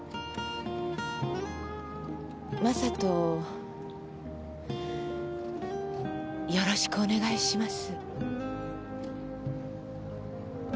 雅人をよろしくお願いします。